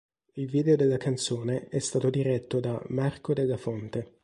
Il video della canzone è stato diretto da Marco Della Fonte.